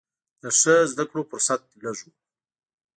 د ښه زده کړو فرصت لږ و.